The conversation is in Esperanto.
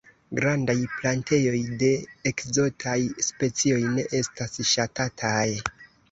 Grandaj plantejoj de ekzotaj specioj ne estas ŝatataj.